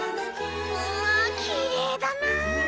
うわきれいだな！